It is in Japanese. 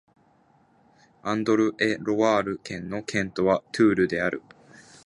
アンドル＝エ＝ロワール県の県都はトゥールである